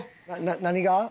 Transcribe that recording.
何が？